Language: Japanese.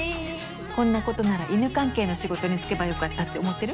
こんなことなら犬関係の仕事に就けば良かったって思ってる？